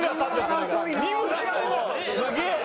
すげえ！